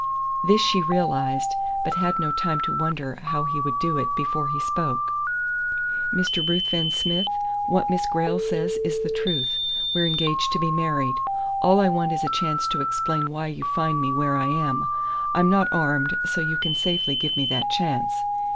This she realized, but had no time to wonder how he would do it before he spoke. "Mr. Ruthven Smith, what Miss Grayle says is the truth. We're engaged to be married. All I want is a chance to explain why you find me where I am. I'm not armed, so you can safely give me that chance."